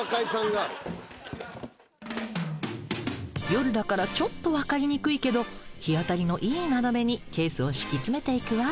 夜だからちょっと分かりにくいけど日当たりのいい窓辺にケースを敷き詰めていくわ。